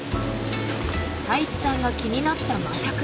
［太一さんが気になったマジャク］